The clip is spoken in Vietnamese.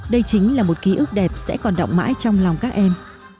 đây chính là một ký ức đẹp sẽ còn động mãi trong lòng các em